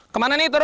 kemana nih turun